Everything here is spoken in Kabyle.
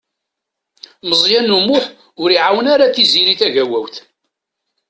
Meẓyan U Muḥ ur iɛawen ara Tiziri Tagawawt.